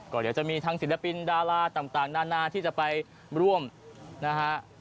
ก็เดี๋ยวจะมีทั้งศิลปินดาราต่างนานาที่จะไปร่วมนะฮะ